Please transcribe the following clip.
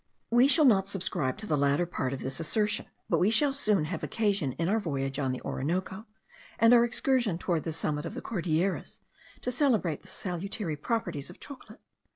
We shall not subscribe to the latter part of this assertion; but we shall soon have occasion, in our voyage on the Orinoco, and our excursions towards the summit of the Cordilleras, to celebrate the salutary properties of chocolate.